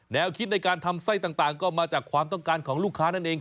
คิดในการทำไส้ต่างก็มาจากความต้องการของลูกค้านั่นเอง